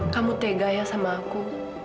kamu tegaya sama aku